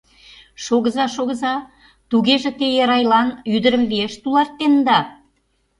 Шогыза-шогыза, тугеже те Эрайлан ӱдырым виеш тулартенда?